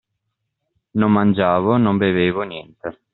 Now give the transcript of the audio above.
Non mangiavo, non bevevo, niente.